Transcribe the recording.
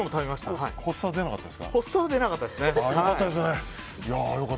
発作出なかったですか？